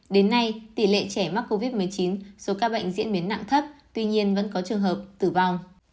đến nay tỷ lệ trẻ mắc covid một mươi chín số ca bệnh diễn biến nặng thấp tuy nhiên vẫn có trường hợp tử vong